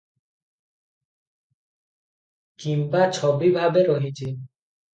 କିମ୍ବା ଛବି ଭାବେ ରହିଛି ।